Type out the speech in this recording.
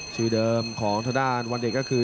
ชื่อเดิมของทางด้านวันเด็กก็คือ